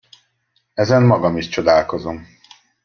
Ezen magam is csodálkozom.